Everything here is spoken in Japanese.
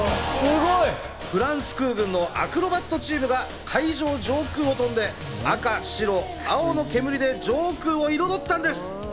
フランス空軍のアクロバットチームが会場上空を飛んで、赤・白・青の煙で上空を彩ったんです。